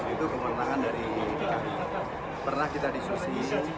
itu kemenangan dari pernah kita diskusi